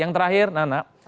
yang terakhir nana